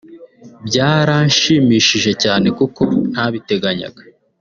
“Byaranshimishije cyane kuko ntabiteganyaga